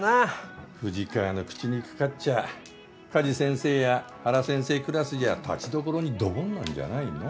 富士川の口にかかっちゃ加地先生や原先生クラスじゃ立ちどころにドボンなんじゃないの？